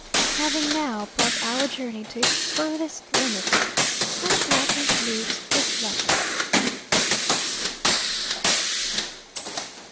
Having now brought our journey to its furthest limits, I shall conclude this letter.